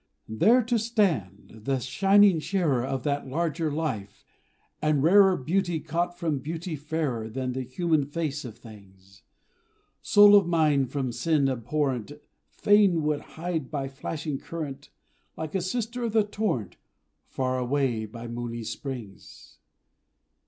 There to stand, the shining sharer Of that larger life, and rarer Beauty caught from beauty fairer Than the human face of things! Soul of mine from sin abhorrent Fain would hide by flashing current, Like a sister of the torrent, Far away by Mooni's springs.